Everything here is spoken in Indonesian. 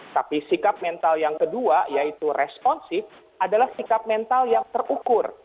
tapi sikap mental yang kedua yaitu responsif adalah sikap mental yang terukur